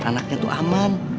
anaknya tuh aman